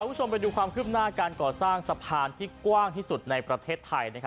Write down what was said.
คุณผู้ชมไปดูความคืบหน้าการก่อสร้างสะพานที่กว้างที่สุดในประเทศไทย